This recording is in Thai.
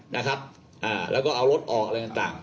นะครับ